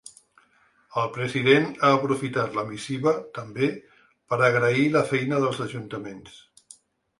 El president ha aprofitat la missiva, també, per agrair la feina dels ajuntaments.